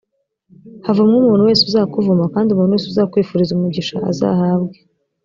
havumwe umuntu wese uzakuvuma kandi umuntu wese uzakwifuriza umugisha azahabwe